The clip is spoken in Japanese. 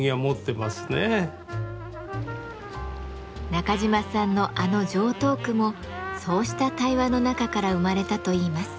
中島さんのあの常套句もそうした対話の中から生まれたといいます。